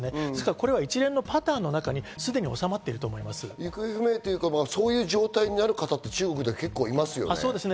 これは一連のパターンの中にすでに収まっていると思いま行方不明というか、そういう状態になる方、中国では結構いますよね。